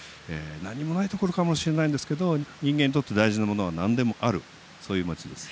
何もないところかもしれないんですけど、人間にとって大事なものはなんでもあるそういう町です。